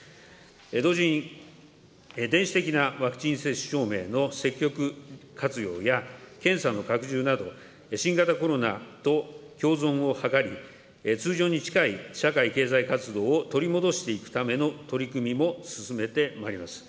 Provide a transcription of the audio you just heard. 同時に電子的なワクチン接種証明の積極活用や検査の拡充など、新型コロナと共存を図り、通常に近い社会経済活動を取り戻していくための取り組みも進めてまいります。